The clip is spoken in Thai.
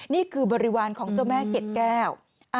นี่คือบริวารของเจ้าแม่เกดแก้ว